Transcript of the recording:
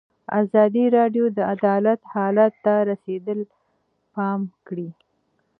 ازادي راډیو د عدالت حالت ته رسېدلي پام کړی.